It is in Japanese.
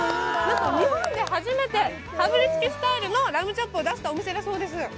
日本で初めてかぶりつきスタイルのラムチョップを出したお店だそうです。